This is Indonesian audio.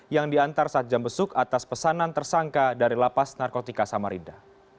yang diantar saat jam besuk atas pesanan tersangka dari lapas narkotika samarinda